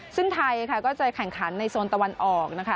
ซึ่งไทยค่ะก็จะแข่งขันในโซนตะวันออกนะคะ